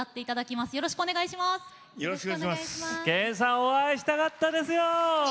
お会いしたかったですよ。